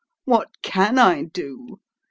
What can I do ?